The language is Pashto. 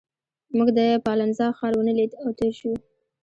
موږ د پالنزا ښار ونه لید او تېر شوو.